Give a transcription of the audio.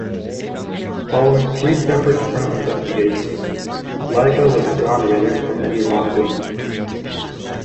Following three separate internal investigations, Lyga was exonerated of any wrongdoing.